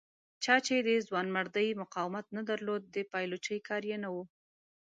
چا چې د ځوانمردۍ مقاومت نه درلود د پایلوچۍ کار یې نه و.